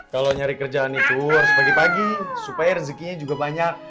kalau nyari kerjaan itu harus pagi pagi supaya rezekinya juga banyak